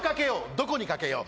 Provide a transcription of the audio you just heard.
どこにかけよう。